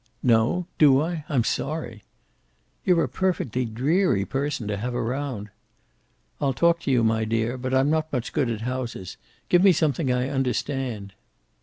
"No! Do I? I'm sorry." "You're a perfectly dreary person to have around." "I'll talk to you, my dear. But I'm not much good at houses. Give me something I understand."